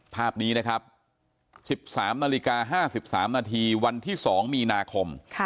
ภาพนี้นะครับ๑๓นาฬิกา๕๓นาทีวันที่๒มีนาคม